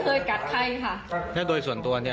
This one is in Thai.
ตอนนี้ขอเอาผิดถึงที่สุดยืนยันแบบนี้